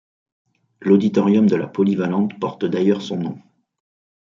L'auditorium de la polyvalente porte d'ailleurs son nom.